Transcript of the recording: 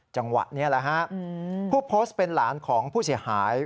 จังหวะนี้แหละฮะผู้โพสต์เป็นหลานของผู้เสียหาย